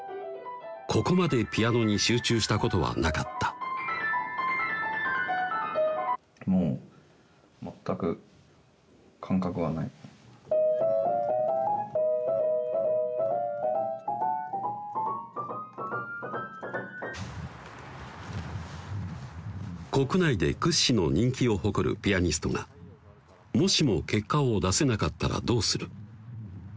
ここまでピアノに集中したことはなかった国内で屈指の人気を誇るピアニストがもしも結果を出せなかったらどうする？